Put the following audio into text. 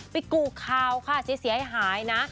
ไปกู้ข่าวค่ะเสียให้หายนะ